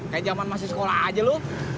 kayak zaman masih sekolah aja lu